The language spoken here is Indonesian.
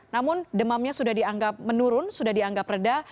namun demamnya sudah dianggap menurun sudah dianggap reda